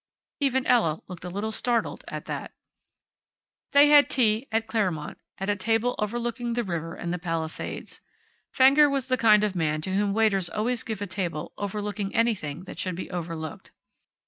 Even Ella looked a little startled at that. They had tea at Claremont, at a table overlooking the river and the Palisades. Fenger was the kind of man to whom waiters always give a table overlooking anything that should be overlooked.